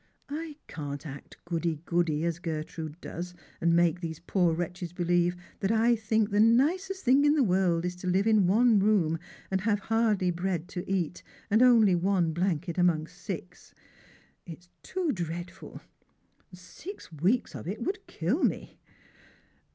I tan't act goody goody as Gertrude does, and make those poor tvretches believe that I think it the nicest thing in the world to live in one room, and have hardly bread to eat, and only one blanket among six. It's too dreadful. Six weeks of it would kill me."